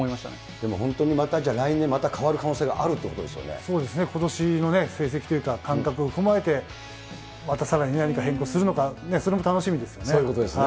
でも、またじゃあ、来年また変わる可能性があるということでそうですね、ことしの成績というか、感覚を踏まえて、またさらに何か変更するのか、それも楽しみですそういうことですよね。